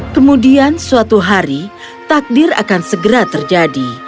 kemudian suatu hari takdir akan segera terjadi